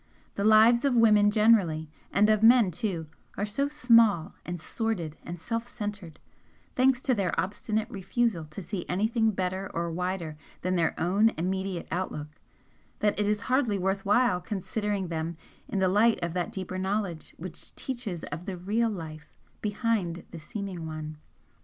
The lives of women generally, and of men too, are so small and sordid and self centred, thanks to their obstinate refusal to see anything better or wider than their own immediate outlook, that it is hardly worth while considering them in the light of that deeper knowledge which teaches of the REAL life behind the seeming one.